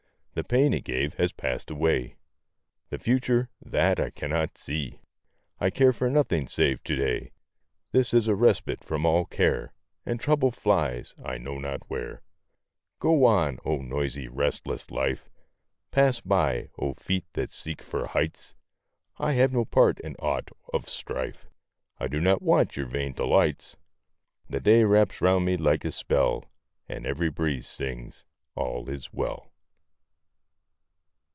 The pain it gave has passed away. The future that I cannot see! I care for nothing save to day This is a respite from all care, And trouble flies I know not where. Go on, oh, noisy, restless life! Pass by, oh, feet that seek for heights! I have no part in aught of strife; I do not want your vain delights. The day wraps round me like a spell, And every breeze sings, "All is well."